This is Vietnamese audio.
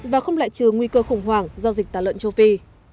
và không lại trừ nguy cơ khủng hoảng do dịch tả lợn châu phi